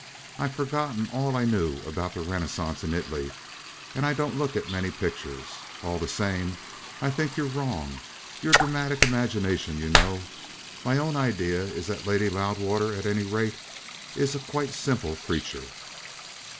I've forgotten all I knew about the Renaissance in Italy, and I don't look at many pictures. All the same, I think you're wrong your dramatic imagination, you know. My own idea is that Lady Loudwater, at any rate, is a quite simple creature."